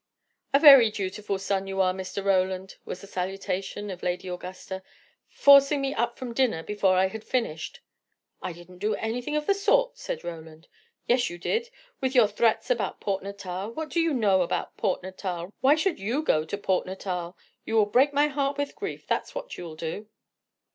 "A very dutiful son, you are, Mr. Roland!" was the salutation of Lady Augusta. "Forcing me up from dinner before I had finished!" "I didn't do anything of the sort," said Roland. "Yes, you did. With your threats about Port Natal! What do you know about Port Natal? Why should you go to Port Natal? You will break my heart with grief, that's what you will do."